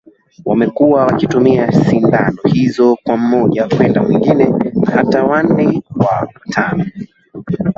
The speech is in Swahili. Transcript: wamekuwa wakitumia sindano hizi kwa mmoja kwenda mwingine na hata wanne wa tano